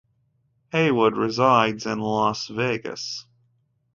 Haywood resides in Las Vegas.